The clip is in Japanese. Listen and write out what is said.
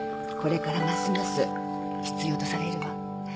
これからますます必要とされるわ。